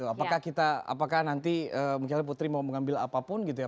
apakah kita apakah nanti misalnya putri mau mengambil apapun gitu ya